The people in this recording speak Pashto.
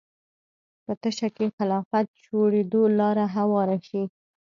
په تشه کې خلافت جوړېدو لاره هواره شي